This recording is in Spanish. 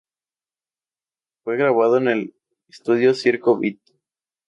Fue grabado en el estudio Circo Beat.